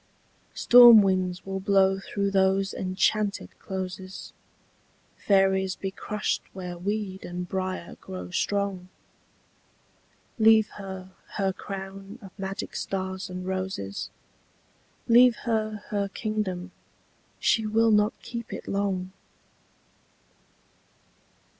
Storm winds will blow through those enchanted closes, Fairies be crushed where weed and briar grow strong ... Leave her her crown of magic stars and roses, Leave her her kingdom—she will not keep it long!